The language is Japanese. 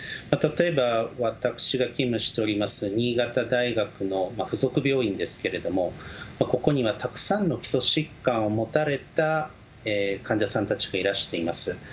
例えば、私が勤務しております、新潟大学の付属病院ですけれども、ここにはたくさんの基礎疾患を持たれた患者さんたちがいらしています。